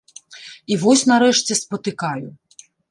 І вось нарэшце спатыкаю.